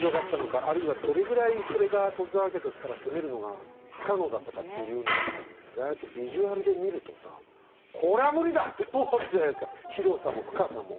あるいはどれぐらいそれが徳川家としたら攻めるのが不可能だったかっていうのはさああやってビジュアルで見るとさ「これは無理だ！」って思うわけじゃないですか広さも深さも。